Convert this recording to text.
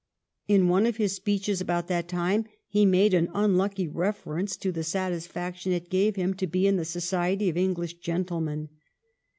In one of his speeches about that time he made an unlucky reference to the satisfaction it gave him to be in the society of English gentlemen.